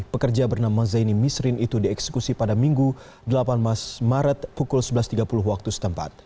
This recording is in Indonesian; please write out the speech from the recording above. pekerja bernama zaini misrin itu dieksekusi pada minggu delapan belas maret pukul sebelas tiga puluh waktu setempat